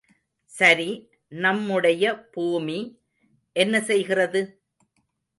சரி, நம்முடைய பூமி, என்ன செய்கிறது?